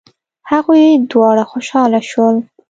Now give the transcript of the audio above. هغوی دواړه خوشحاله شول.